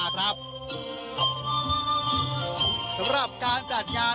มันอาจจะเป็นแก๊สธรรมชาติค่ะ